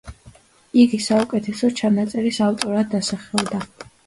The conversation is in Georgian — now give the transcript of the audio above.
იგი საუკეთესო ჩანაწერის ავტორად დასახელდა.